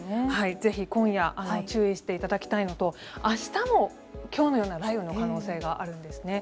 ぜひ、今夜注意していただきたいのと明日も今日のような雷雨の可能性があるんですね。